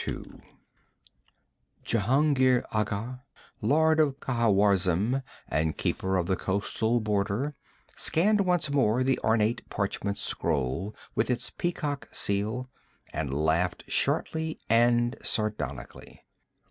2 Jehungir Agha, lord of Khawarizm and keeper of the coastal border, scanned once more the ornate parchment scroll with its peacock seal, and laughed shortly and sardonically.